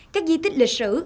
các di tích lịch sử